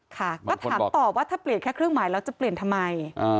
ค่ะก็ถามต่อว่าถ้าเปลี่ยนแค่เครื่องหมายแล้วจะเปลี่ยนทำไม